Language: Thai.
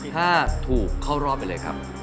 ถ้าถูกเข้ารอบไปเลยครับ